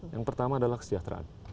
yang pertama adalah kesejahteraan